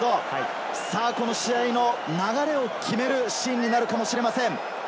この試合の流れを決めるシーンになるかもしれません。